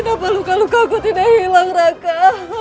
kenapa luka lukaku tidak hilang raka